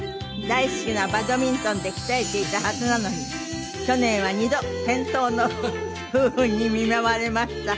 大好きなバドミントンで鍛えていたはずなのに去年は２度転倒の不運に見舞われました。